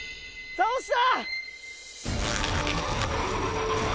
倒した！